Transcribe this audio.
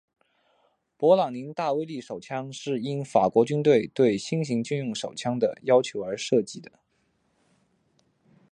勃朗宁大威力手枪是应法国军队对新型军用手枪的要求而设计的。